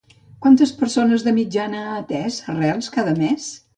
Quantes persones de mitjana ha atès Arrels cada mes?